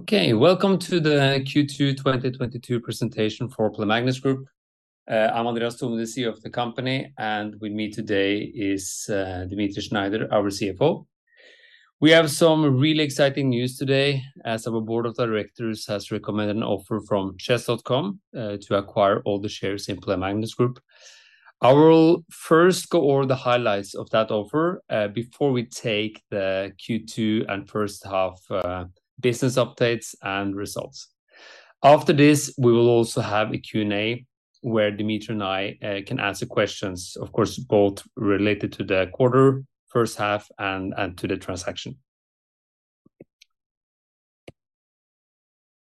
Okay. Welcome to the Q2 2022 presentation for Play Magnus Group. I'm Andreas Thome, CEO of the company, and with me today is Dmitri Schneider, our CFO. We have some really exciting news today, as our board of directors has recommended an offer from Chess.com to acquire all the shares in Play Magnus Group. I will first go over the highlights of that offer before we take the Q2 and first half business updates and results. After this, we will also have a Q&A where Dmitri and I can answer questions, of course, both related to the quarter, first half and to the transaction.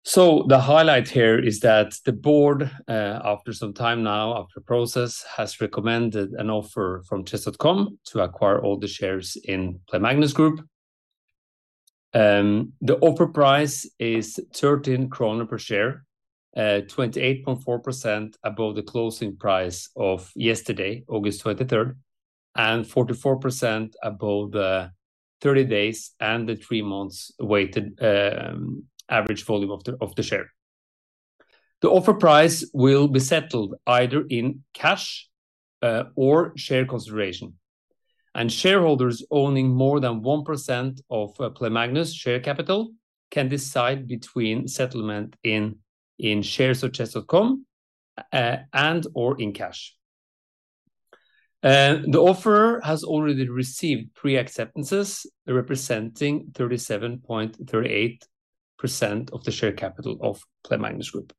The highlight here is that the board, after some time now, after process, has recommended an offer from Chess.com to acquire all the shares in Play Magnus Group. The offer price is 13 kroner per share, 28.4% above the closing price of yesterday, August 23, and 44% above the 30-day and three-month weighted average price of the share. The offer price will be settled either in cash or share consideration, and shareholders owning more than 1% of Play Magnus Group's share capital can decide between settlement in shares of Chess.com and/or in cash. The offer has already received pre-acceptances representing 37.38% of the share capital of Play Magnus Group.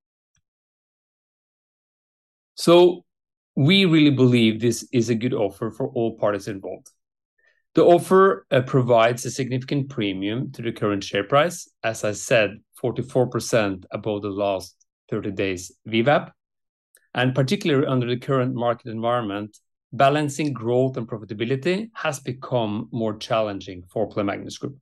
We really believe this is a good offer for all parties involved. The offer provides a significant premium to the current share price, as I said, 44% above the last 30 days VWAP, and particularly under the current market environment, balancing growth and profitability has become more challenging for Play Magnus Group.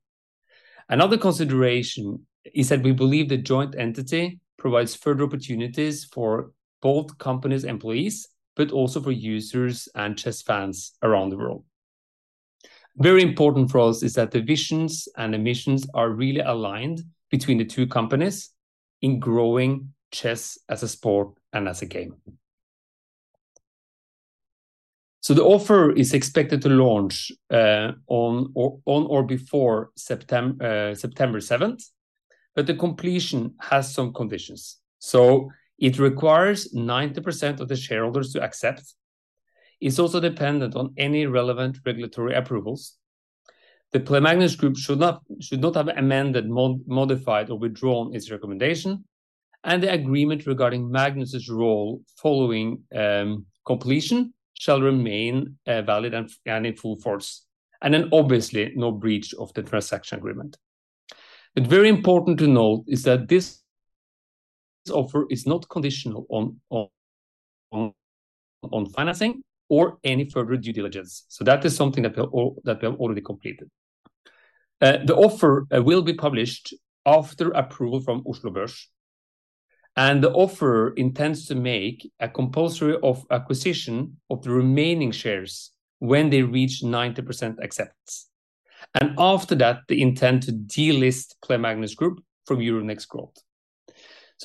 Another consideration is that we believe the joint entity provides further opportunities for both companies' employees, but also for users and chess fans around the world. Very important for us is that the visions and the missions are really aligned between the two companies in growing chess as a sport and as a game. The offer is expected to launch on or before September seventh, but the completion has some conditions. It requires 90% of the shareholders to accept. It's also dependent on any relevant regulatory approvals. The Play Magnus Group should not have amended, modified or withdrawn its recommendation, and the agreement regarding Magnus's role following completion shall remain valid and in full force, and then obviously no breach of the transaction agreement. Very important to note is that this offer is not conditional on financing or any further due diligence. That is something that we've already completed. The offer will be published after approval from Oslo Børs, and the offer intends to make a compulsory acquisition of the remaining shares when they reach 90% acceptance. After that, they intend to delist Play Magnus Group from Euronext Growth.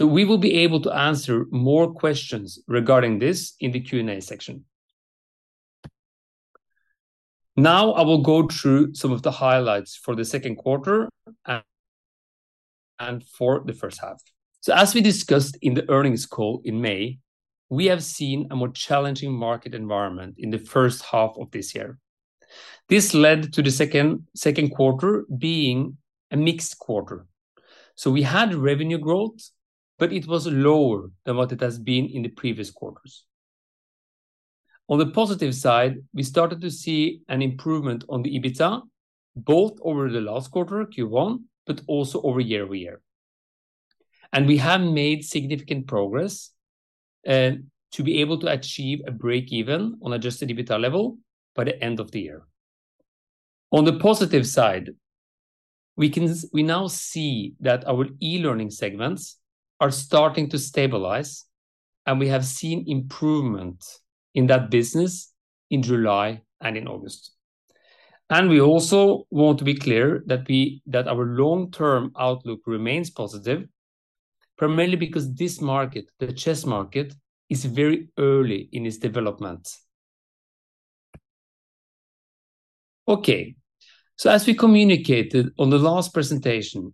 We will be able to answer more questions regarding this in the Q&A section. Now I will go through some of the highlights for the second quarter and for the first half. As we discussed in the earnings call in May, we have seen a more challenging market environment in the first half of this year. This led to the second quarter being a mixed quarter. We had revenue growth, but it was lower than what it has been in the previous quarters. On the positive side, we started to see an improvement on the EBITDA, both over the last quarter, Q1, but also over year-over-year. We have made significant progress to be able to achieve a break even on adjusted EBITDA level by the end of the year. On the positive side, we now see that our e-learning segments are starting to stabilize, and we have seen improvement in that business in July and in August. We also want to be clear that we, that our long-term outlook remains positive, primarily because this market, the chess market, is very early in its development. Okay. As we communicated on the last presentation,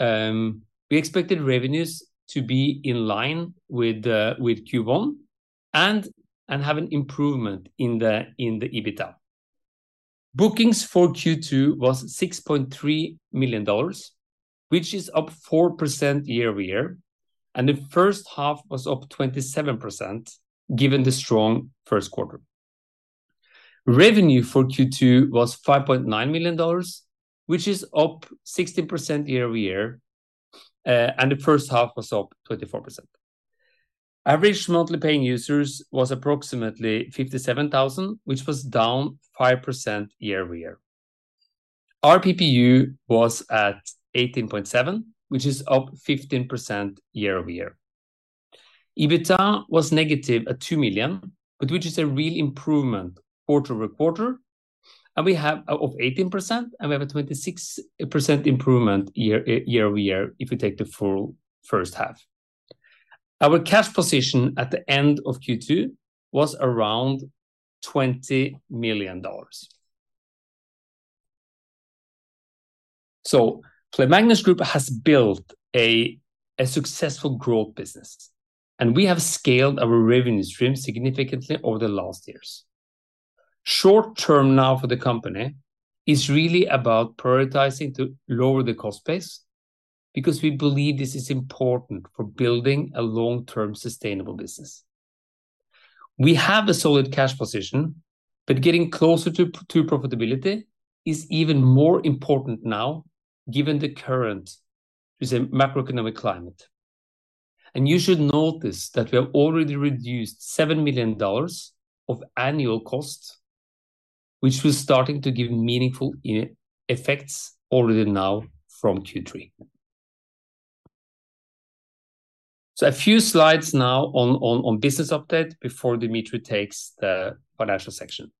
we expected revenues to be in line with Q1 and have an improvement in the EBITDA. Bookings for Q2 was NOK 6.3 million, which is up 4% year-over-year, and the first half was up 27%, given the strong first quarter. Revenue for Q2 was NOK 5.9 million, which is up 16% year-over-year, and the first half was up 24%. Average monthly paying users was approximately 57,000, which was down 5% year-over-year. Our PPU was at 18.7, which is up 15% year-over-year. EBITDA was negative at 2 million, but which is a real improvement quarter-over-quarter. We have 18%, and we have a 26% improvement year-over-year if you take the full first half. Our cash position at the end of Q2 was around NOK 20 million. Play Magnus Group has built a successful growth business, and we have scaled our revenue stream significantly over the last years. Short term now for the company is really about prioritizing to lower the cost base because we believe this is important for building a long-term sustainable business. We have a solid cash position, but getting closer to profitability is even more important now given the current, say, macroeconomic climate. You should notice that we have already reduced NOK 7 million of annual costs, which was starting to give meaningful effects already now from Q3. A few slides now on business update before Dmitri takes the financial section.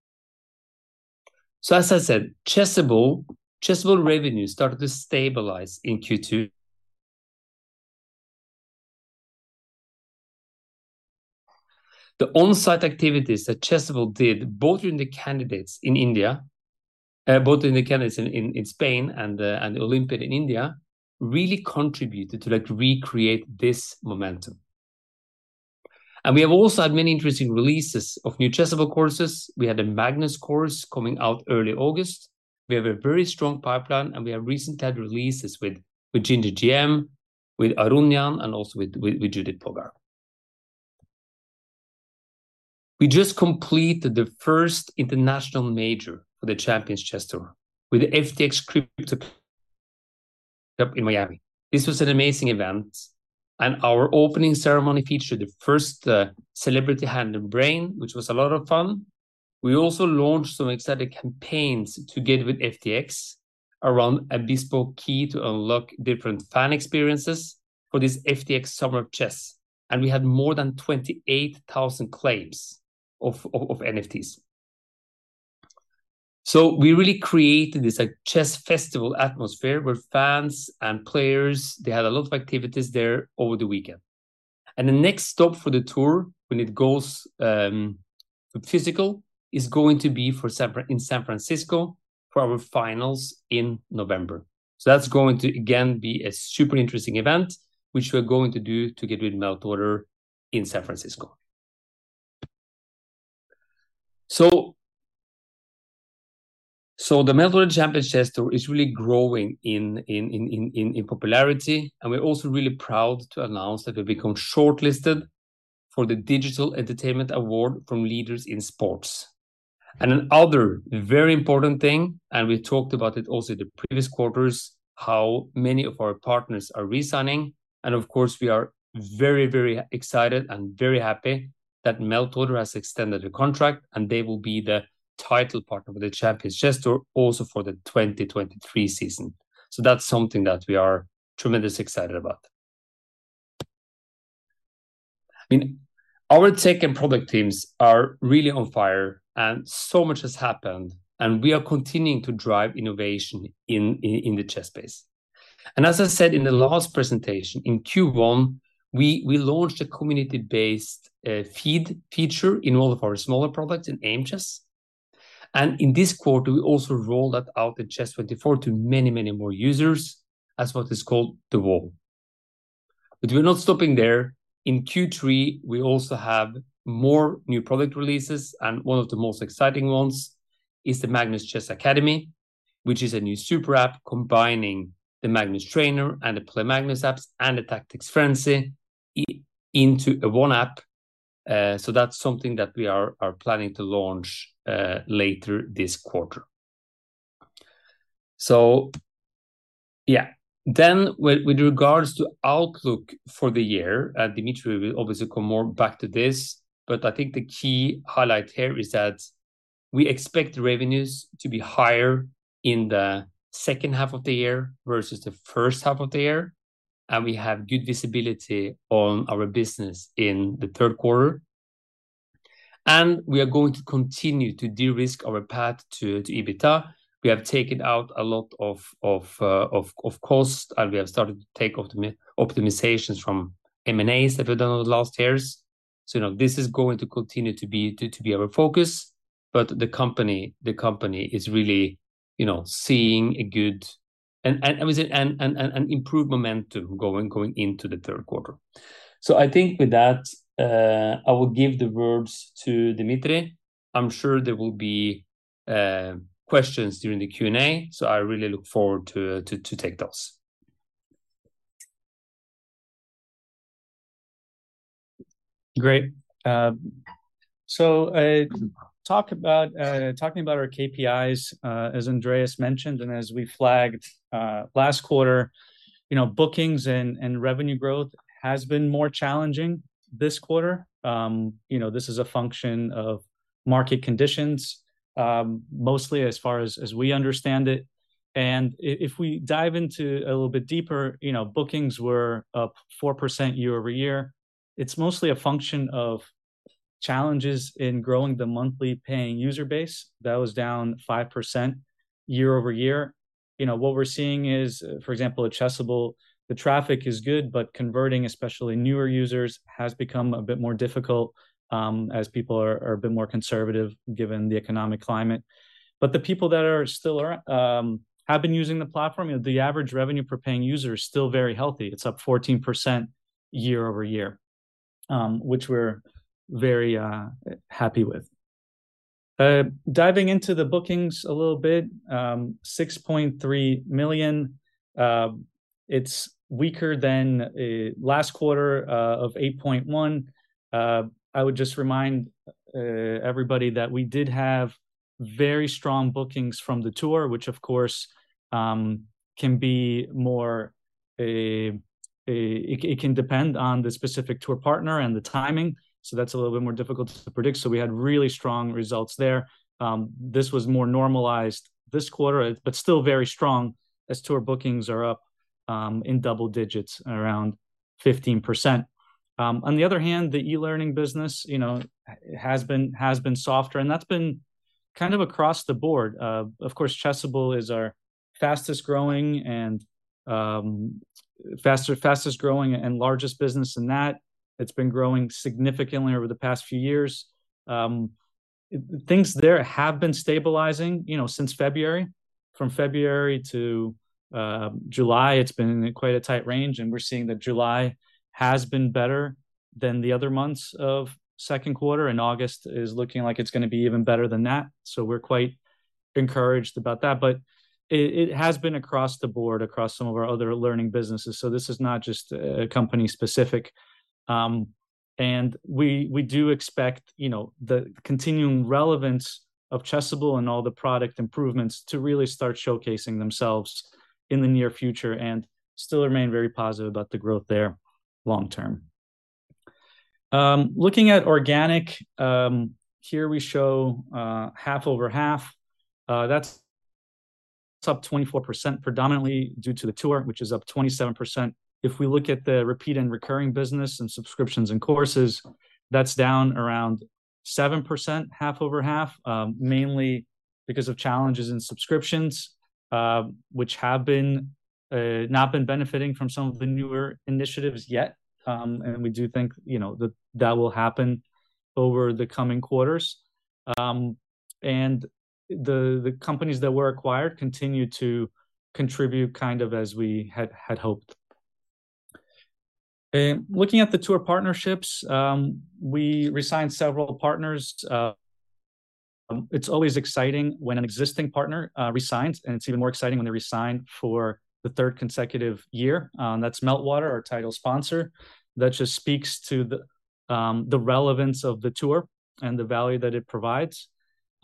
As I said, Chessable revenue started to stabilize in Q2. The on-site activities that Chessable did, both in the candidates in India, both in the candidates in Spain and the Olympiad in India, really contributed to like recreate this momentum. We have also had many interesting releases of new Chessable courses. We had a Magnus course coming out early August. We have a very strong pipeline, and we have recently had releases with GingerGM, with Aronian, and also with Judit Polgár. We just completed the first international major for the Champions Chess Tour with the FTX Crypto Cup in Miami. This was an amazing event, and our opening ceremony featured the first celebrity Hand and Brain, which was a lot of fun. We also launched some exciting campaigns together with FTX around a bespoke key to unlock different fan experiences for this FTX Summer of Chess. We had more than 28,000 claims of NFTs. We really created this like chess festival atmosphere where fans and players, they had a lot of activities there over the weekend. The next stop for the tour when it goes physical is going to be in San Francisco for our finals in November. That's going to again be a super interesting event, which we're going to do together with Meltwater in San Francisco. The Meltwater Champions Chess Tour is really growing in popularity. We're also really proud to announce that we've become shortlisted for the Digital Entertainment Award from Leaders in Sport. Another very important thing, and we talked about it also the previous quarters, how many of our partners are re-signing. Of course, we are very excited and very happy that Meltwater has extended the contract, and they will be the title partner for the Champions Chess Tour also for the 2023 season. That's something that we are tremendously excited about. I mean, our tech and product teams are really on fire, and so much has happened, and we are continuing to drive innovation in the chess space. As I said in the last presentation, in Q1, we launched a community-based feed feature in all of our smaller products in Aimchess. In this quarter, we also rolled that out at Chess24 to many, many more users as what is called The Wall. We're not stopping there. In Q3, we also have more new product releases, and one of the most exciting ones is the Magnus Chess Academy, which is a new super app combining the Magnus Trainer and the Play Magnus apps and the Tactics Frenzy into one app. That's something that we are planning to launch later this quarter. Yeah. With regards to outlook for the year, Dmitri will obviously come more back to this, but I think the key highlight here is that we expect the revenues to be higher in the second half of the year versus the first half of the year. We have good visibility on our business in the third quarter. We are going to continue to de-risk our path to EBITDA. We have taken out a lot of cost, and we have started to take optimizations from M&As that we've done over the last years. You know, this is going to continue to be our focus. The company is really, you know, seeing a good and, I would say, improved momentum going into the third quarter. I think with that, I will give the words to Dmitri. I'm sure there will be questions during the Q&A, so I really look forward to take those. Great. Talking about our KPIs, as Andreas mentioned and as we flagged last quarter, you know, bookings and revenue growth has been more challenging this quarter. You know, this is a function of market conditions, mostly as far as we understand it. If we dive a little bit deeper, you know, bookings were up 4% year-over-year. It's mostly a function of challenges in growing the monthly paying user base. That was down 5% year-over-year. You know, what we're seeing is, for example, at Chessable, the traffic is good, but converting, especially newer users, has become a bit more difficult, as people are a bit more conservative given the economic climate. The people that are still have been using the platform, you know, the average revenue per paying user is still very healthy. It's up 14% year-over-year, which we're very happy with. Diving into the bookings a little bit, 6.3 million, it's weaker than last quarter of 8.1. I would just remind everybody that we did have very strong bookings from the tour, which of course it can depend on the specific tour partner and the timing, so that's a little bit more difficult to predict. We had really strong results there. This was more normalized this quarter, but still very strong as tour bookings are up in double digits around 15%. On the other hand, the e-learning business, you know, has been softer, and that's been kind of across the board. Of course, Chessable is our fastest-growing and largest business in that. It's been growing significantly over the past few years. Things there have been stabilizing, you know, since February. From February to July, it's been in quite a tight range, and we're seeing that July has been better than the other months of second quarter, and August is looking like it's gonna be even better than that. We're quite encouraged about that. It has been across the board, across some of our other learning businesses. This is not just company-specific. We do expect, you know, the continuing relevance of Chessable and all the product improvements to really start showcasing themselves in the near future and still remain very positive about the growth there long term. Looking at organic, here we show half over half. That's up 24% predominantly due to the tour, which is up 27%. If we look at the repeat and recurring business and subscriptions and courses, that's down around 7% half over half, mainly because of challenges in subscriptions, which have not been benefiting from some of the newer initiatives yet. We do think, you know, that will happen over the coming quarters. The companies that were acquired continue to contribute kind of as we had hoped. Looking at the tour partnerships, we re-signed several partners. It's always exciting when an existing partner re-signs, and it's even more exciting when they re-sign for the third consecutive year, that's Meltwater, our title sponsor. That just speaks to the relevance of the tour and the value that it provides.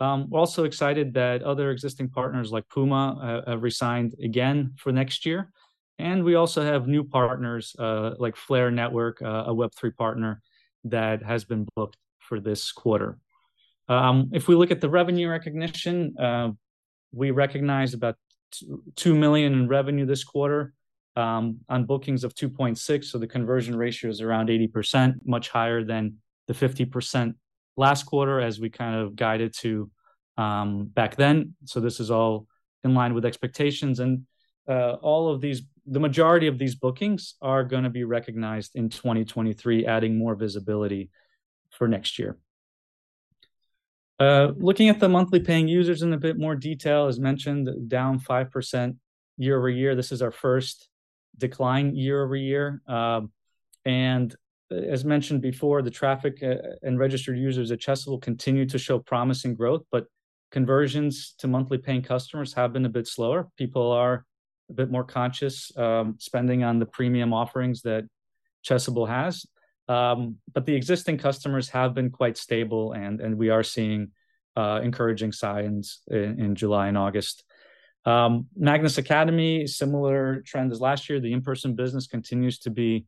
We're also excited that other existing partners like PUMA re-signed again for next year. We also have new partners like Flare Network, a Web3 partner that has been booked for this quarter. If we look at the revenue recognition, we recognized about 2 million in revenue this quarter, on bookings of 2.6 million, so the conversion ratio is around 80%, much higher than the 50% last quarter as we kind of guided to, back then. This is all in line with expectations. All of these—the majority of these bookings are gonna be recognized in 2023, adding more visibility for next year. Looking at the monthly paying users in a bit more detail, as mentioned, down 5% year-over-year. This is our first decline year-over-year. As mentioned before, the traffic and registered users at Chessable continue to show promising growth, but conversions to monthly paying customers have been a bit slower. People are a bit more conscious spending on the premium offerings that Chessable has. The existing customers have been quite stable, and we are seeing encouraging signs in July and August. Magnus Academy, similar trend as last year. The in-person business continues to be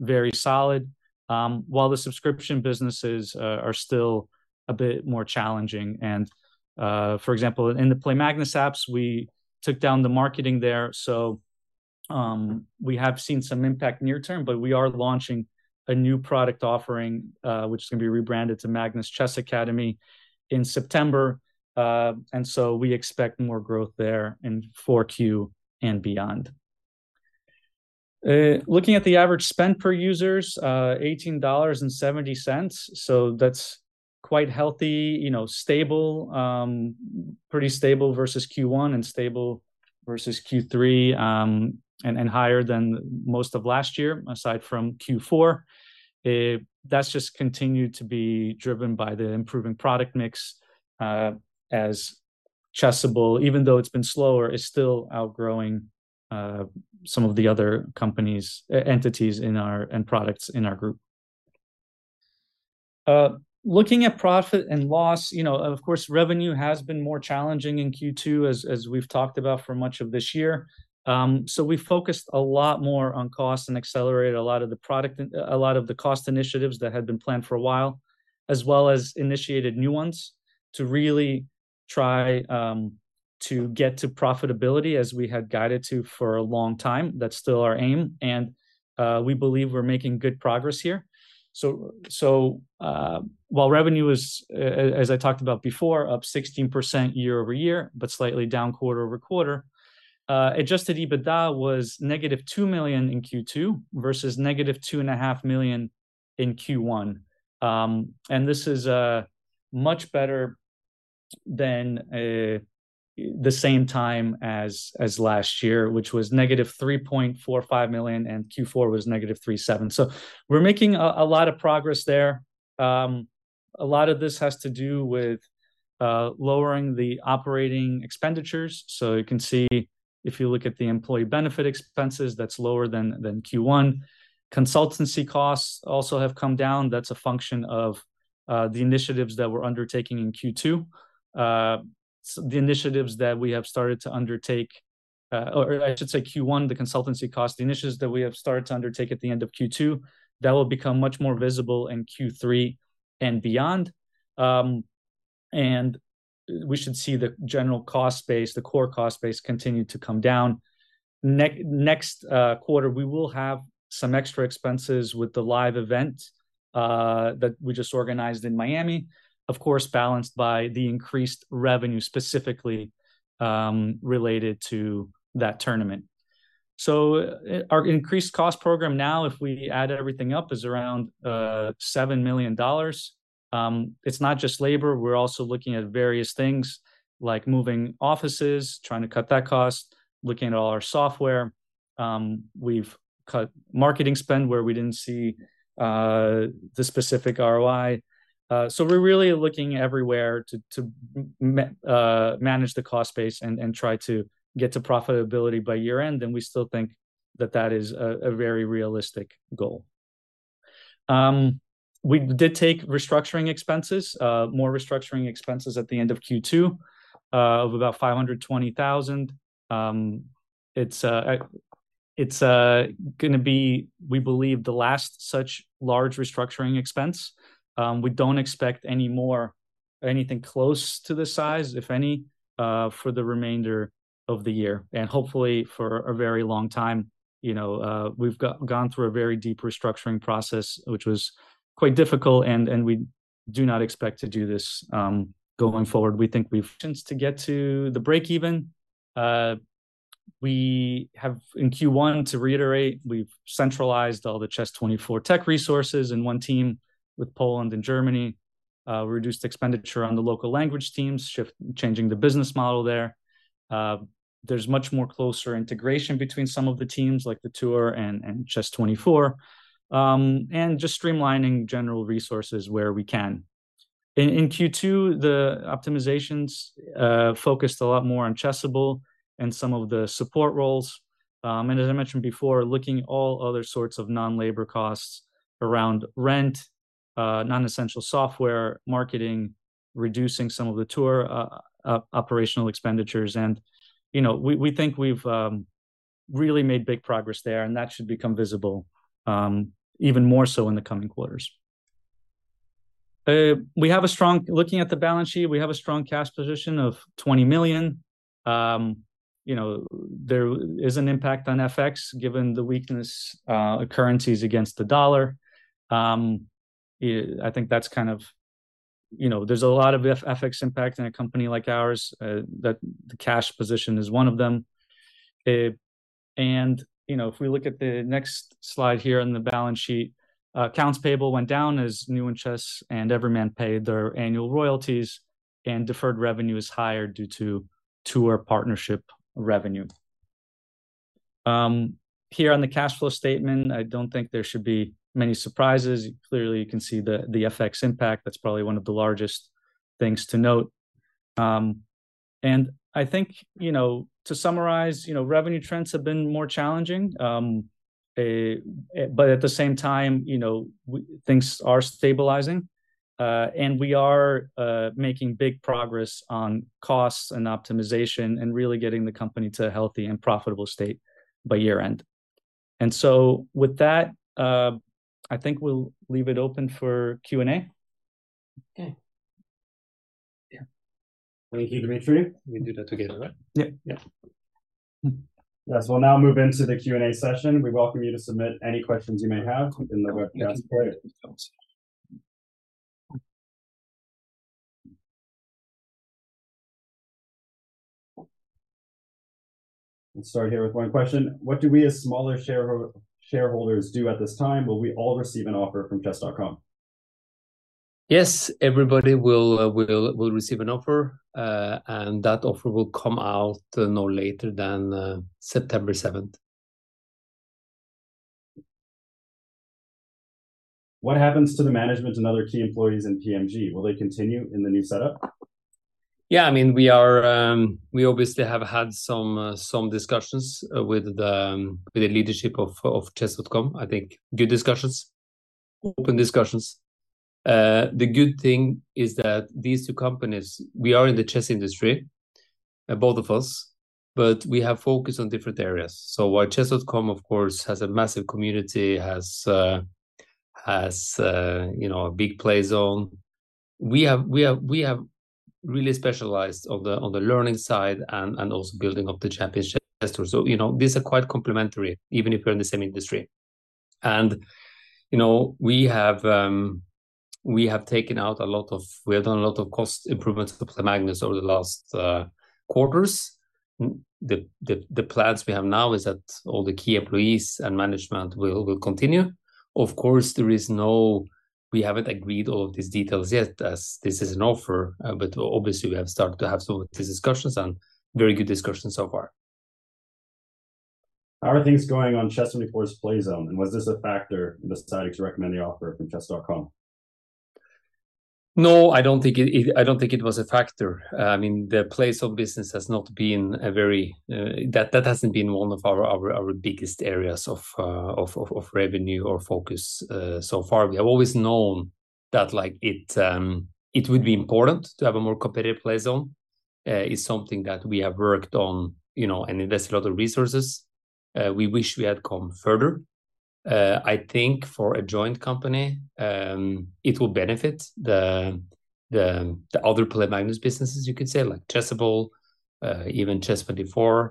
very solid, while the subscription businesses are still a bit more challenging. For example, in the Play Magnus apps, we took down the marketing there. We have seen some impact near term, but we are launching a new product offering, which is gonna be rebranded to Magnus Chess Academy in September. We expect more growth there in Q4 and beyond. Looking at the average spend per users, NOK 18.70. That's quite healthy, you know, stable, pretty stable versus Q1 and stable versus Q3, and higher than most of last year, aside from Q4. That's just continued to be driven by the improving product mix, as Chessable, even though it's been slower, is still outgrowing some of the other entities and products in our group. Looking at profit and loss, you know, of course, revenue has been more challenging in Q2, as we've talked about for much of this year. We focused a lot more on cost and accelerated a lot of the cost initiatives that had been planned for a while, as well as initiated new ones to really try to get to profitability as we had guided to for a long time. That's still our aim, and we believe we're making good progress here. While revenue is, as I talked about before, up 16% year-over-year, but slightly down quarter-over-quarter, adjusted EBITDA was -2 million in Q2 versus -2.5 million in Q1. This is much better than the same time as last year, which was -3.45 million, and Q4 was -3.7 million. We're making a lot of progress there. A lot of this has to do with lowering the operating expenditures. You can see if you look at the employee benefit expenses, that's lower than Q1. Consultancy costs also have come down. That's a function of the initiatives that we're undertaking in Q2. The Q1 consultancy cost initiatives that we have started to undertake at the end of Q2 will become much more visible in Q3 and beyond. We should see the general cost base, the core cost base continue to come down. Next quarter, we will have some extra expenses with the live event that we just organized in Miami. Of course, balanced by the increased revenue, specifically related to that tournament. Our cost savings program now, if we add everything up, is around NOK 7 million. It's not just labor. We're also looking at various things like moving offices, trying to cut that cost, looking at all our software. We've cut marketing spend where we didn't see the specific ROI. We're really looking everywhere to manage the cost base and try to get to profitability by year-end, and we still think that is a very realistic goal. We did take restructuring expenses, more restructuring expenses at the end of Q2, of about 520,000. It's gonna be, we believe, the last such large restructuring expense. We don't expect any more or anything close to this size, if any, for the remainder of the year, and hopefully for a very long time. You know, we've gone through a very deep restructuring process, which was quite difficult, and we do not expect to do this going forward. We think we've set to get to the break-even. We have in Q1, to reiterate, we've centralized all the Chess.com tech resources in one team with Poland and Germany, reduced expenditure on the local language teams, changing the business model there. There's much more closer integration between some of the teams like the tour and Chess.com, and just streamlining general resources where we can. In Q2, the optimizations focused a lot more on Chessable and some of the support roles. As I mentioned before, looking at all other sorts of non-labor costs around rent, non-essential software, marketing, reducing some of the tour operational expenditures. You know, we think we've really made big progress there, and that should become visible even more so in the coming quarters. Looking at the balance sheet, we have a strong cash position of 20 million. You know, there is an impact on FX given the weakness of currencies against the US dollar. I think that's kind of you know, there's a lot of FX impact in a company like ours that the cash position is one of them. You know, if we look at the next slide here on the balance sheet, accounts payable went down as New in Chess and Everyman Chess paid their annual royalties, and deferred revenue is higher due to tour partnership revenue. Here on the cash flow statement, I don't think there should be many surprises. Clearly, you can see the FX impact. That's probably one of the largest things to note. I think, you know, to summarize, you know, revenue trends have been more challenging. But at the same time, you know, things are stabilizing, and we are making big progress on costs and optimization and really getting the company to a healthy and profitable state by year-end. So with that, I think we'll leave it open for Q&A. Okay. Yeah. Thank you, Dmitri. We do that together, right? Yeah. Yeah. Yes. We'll now move into the Q&A session. We welcome you to submit any questions you may have in the webcast. We'll start here with one question: What do we as smaller shareholders do at this time? Will we all receive an offer from Chess.com? Yes. Everybody will receive an offer, and that offer will come out no later than September seventh. What happens to the management and other key employees in PMG? Will they continue in the new setup? Yeah. I mean, we are. We obviously have had some discussions with the leadership of Chess.com. I think good discussions, open discussions. The good thing is that these two companies, we are in the chess industry. Both of us, but we have focused on different areas. While Chess.com, of course, has a massive community, has you know, a big play zone, we have really specialized on the learning side and also building up the Champions Chess Tour. You know, these are quite complementary, even if we're in the same industry. You know, we have done a lot of cost improvements to Play Magnus over the last quarters. The plans we have now is that all the key employees and management will continue. Of course, we haven't agreed all of these details yet as this is an offer, but obviously we have started to have some of these discussions and very good discussions so far. How are things going on Chess24's play zone, and was this a factor in deciding to recommend the offer from Chess.com? No, I don't think it was a factor. I mean, that hasn't been one of our biggest areas of revenue or focus so far. We have always known that, like, it would be important to have a more competitive play zone. It's something that we have worked on, you know, and invested a lot of resources. We wish we had come further. I think for a joint company, it will benefit the other Play Magnus businesses, you could say, like Chessable, even Chess24,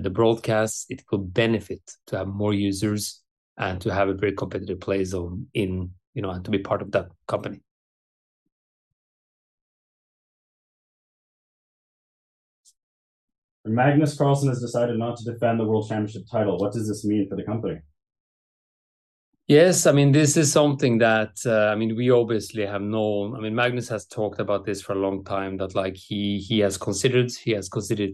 the broadcast. It could benefit to have more users and to have a very competitive play zone, you know, and to be part of that company. Magnus Carlsen has decided not to defend the World Championship title. What does this mean for the company? Yes, I mean, this is something that, I mean, we obviously have known. I mean, Magnus has talked about this for a long time, that like he has considered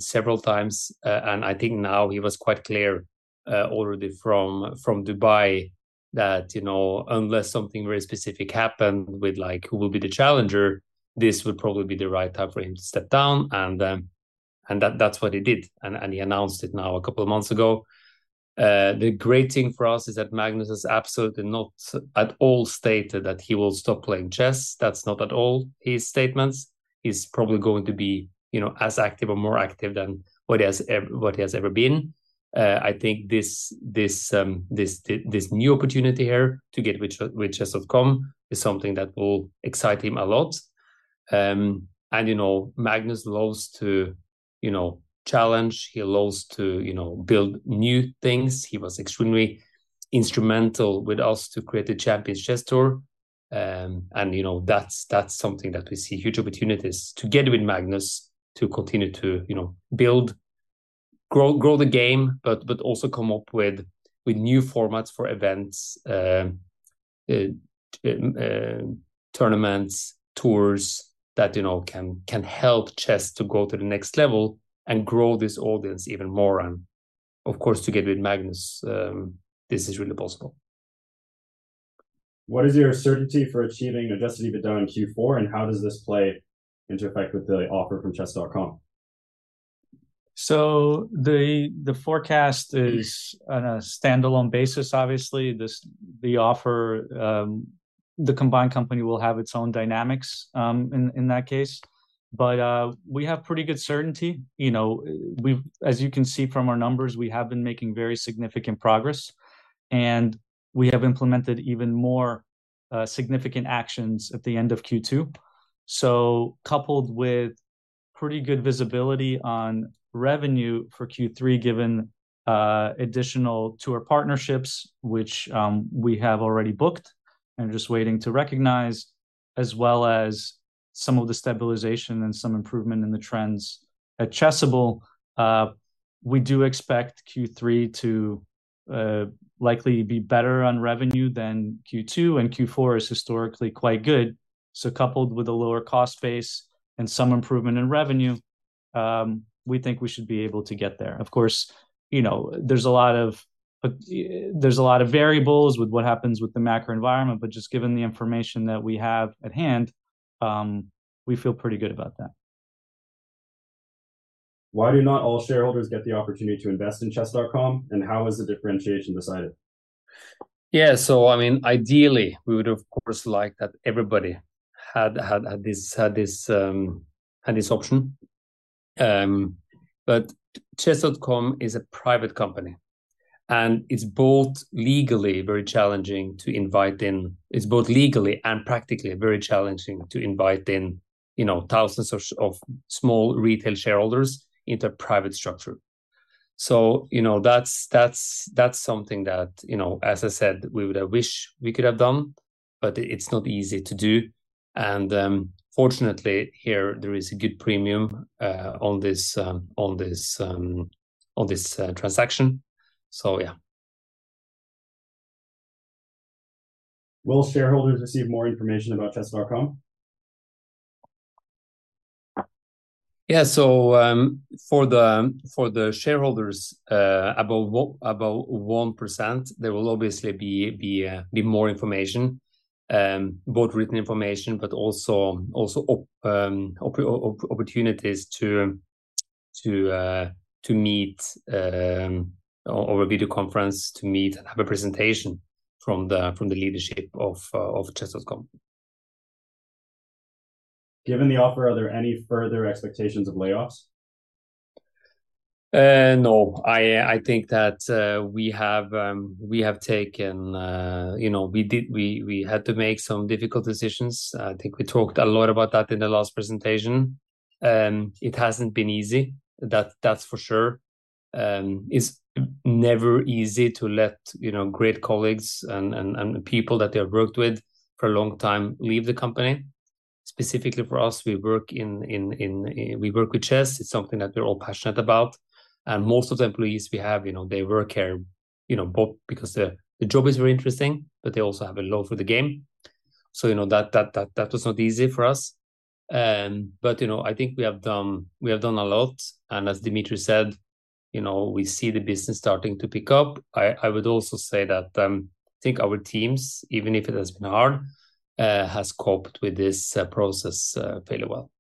several times. I think now he was quite clear already from Dubai that, you know, unless something very specific happened with like who will be the challenger, this would probably be the right time for him to step down and that's what he did. He announced it now a couple of months ago. The great thing for us is that Magnus has absolutely not at all stated that he will stop playing chess. That's not at all his statements. He's probably going to be, you know, as active or more active than what he has ever been. I think this new opportunity here to get with Chess.com is something that will excite him a lot. You know, Magnus loves to, you know, challenge. He loves to, you know, build new things. He was extremely instrumental with us to create the Champions Chess Tour. You know, that's something that we see huge opportunities together with Magnus to continue to, you know, build, grow the game, but also come up with new formats for events, tournaments, tours that, you know, can help chess to go to the next level and grow this audience even more. Of course, together with Magnus, this is really possible. What is your certainty for achieving adjusted EBITDA in Q4, and how does this play into effect with the offer from Chess.com? The forecast is on a standalone basis, obviously. The combined company will have its own dynamics in that case. We have pretty good certainty. You know, as you can see from our numbers, we have been making very significant progress, and we have implemented even more significant actions at the end of Q2. Coupled with pretty good visibility on revenue for Q3, given additional tour partnerships, which we have already booked and just waiting to recognize, as well as some of the stabilization and some improvement in the trends at Chessable, we do expect Q3 to likely be better on revenue than Q2, and Q4 is historically quite good. Coupled with a lower cost base and some improvement in revenue, we think we should be able to get there. Of course, you know, there's a lot of variables with what happens with the macro environment, but just given the information that we have at hand, we feel pretty good about that. Why do not all shareholders get the opportunity to invest in Chess.com, and how is the differentiation decided? Yeah. I mean, ideally, we would, of course, like that everybody had this option. Chess.com is a private company, and it's both legally and practically very challenging to invite in, you know, thousands of small retail shareholders into a private structure. You know, that's something that, you know, as I said, we would have wished we could have done, but it's not easy to do. Fortunately here, there is a good premium on this transaction. Yeah. Will shareholders receive more information about Chess.com? For the shareholders above 1%, there will obviously be more information, both written information, but also opportunities to meet or a video conference to meet, have a presentation from the leadership of Chess.com. Given the offer, are there any further expectations of layoffs? No. I think that we have taken, you know, we had to make some difficult decisions. I think we talked a lot about that in the last presentation. It hasn't been easy, that's for sure. It's never easy to let, you know, great colleagues and people that you have worked with for a long time leave the company. Specifically for us, we work with chess, it's something that we're all passionate about. Most of the employees we have, you know, they work here, you know, because the job is very interesting, but they also have a love for the game. You know, that was not easy for us. You know, I think we have done a lot and as Dmitri said, you know, we see the business starting to pick up. I would also say that I think our teams, even if it has been hard, has coped with this process fairly well.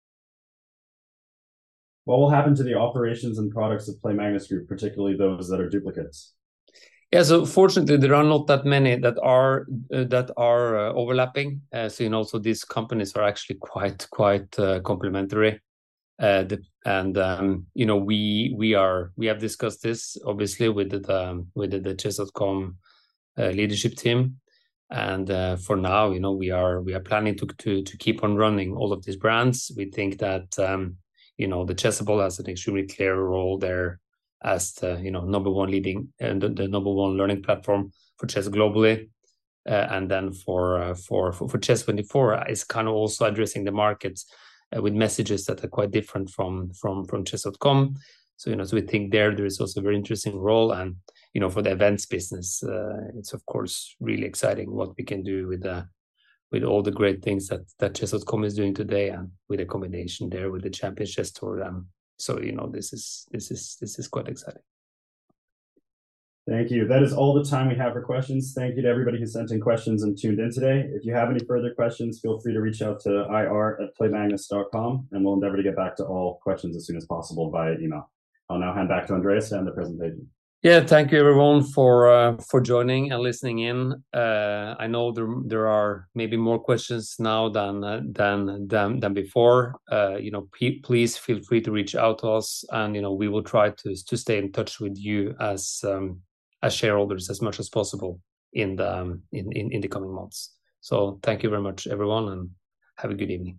What will happen to the operations and products of Play Magnus Group, particularly those that are duplicates? Yeah. Fortunately, there are not that many that are overlapping. As you know, these companies are actually quite complementary. You know, we have discussed this obviously with the Chess.com leadership team. For now, you know, we are planning to keep on running all of these brands. We think that, you know, the Chessable has an extremely clear role there as the, you know, number one leading and the number one learning platform for chess globally. Then for Chess24 is kind of also addressing the markets with messages that are quite different from Chess.com. You know, we think there is also a very interesting role and, you know, for the events business, it's of course really exciting what we can do with all the great things that Chess.com is doing today and with a combination there with the Champions Chess Tour. You know, this is quite exciting. Thank you. That is all the time we have for questions. Thank you to everybody who sent in questions and tuned in today. If you have any further questions, feel free to reach out to ir@playmagnus.com and we'll endeavor to get back to all questions as soon as possible via email. I'll now hand back to Andreas to end the presentation. Yeah. Thank you everyone for joining and listening in. I know there are maybe more questions now than before. You know, please feel free to reach out to us and, you know, we will try to stay in touch with you as shareholders as much as possible in the coming months. Thank you very much everyone, and have a good evening.